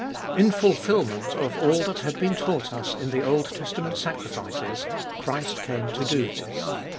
In fulfilment of all that had been taught us in the Old Testament sacrifices, Christ came to do this.